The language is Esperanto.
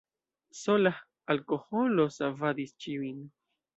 Sola alkoholo savadis ĉiujn.